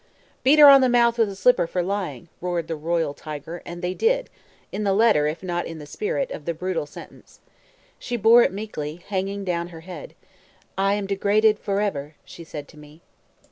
"Beat her on the mouth with a slipper for lying!" roared the royal tiger; and they did, in the letter, if not in the spirit, of the brutal sentence. She bore it meekly, hanging down her head. "I am degraded forever!" she said to me.